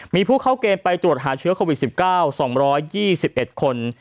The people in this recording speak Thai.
มีผู้เข้าเกณฑ์ไปตรวจหาเชื้อโควิด๑๙๒๒๑คน